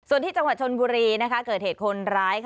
ส่วนที่จังหวัดชนบุรีเกิดเหตุคนร้าย